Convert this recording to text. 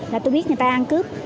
là tôi biết người ta đang cướp